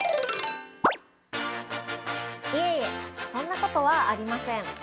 ◆いえいえ、そんなことはありません！